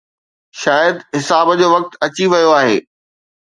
شايد حساب جو وقت اچي ويو آهي.